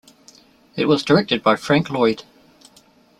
It was directed by Frank Lloyd.